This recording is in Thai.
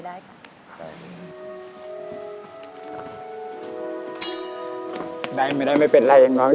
ได้ไม่เป็นไรอย่างน้อย